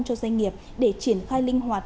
cho doanh nghiệp để triển khai linh hoạt